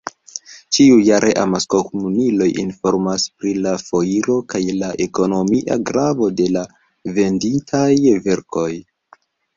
Ĉiujare amaskomunikiloj informas pri la foiro kaj la ekonomia gravo de la venditaj verkoj.